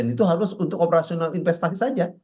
itu harus untuk operasional investasi saja